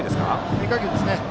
変化球ですね。